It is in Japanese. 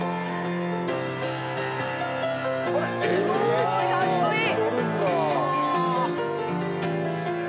すごい！かっこいい！